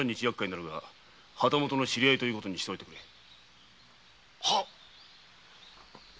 やっかいになるが旗本の知り合いということにしてくれ。